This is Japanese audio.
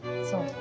そう。